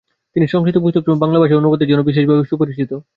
তিনি সংস্কৃত পুস্তকসমূহ বাংলা ভাষায় অনুবাদের জন্য বিশেষভাবে সুপরিচিত।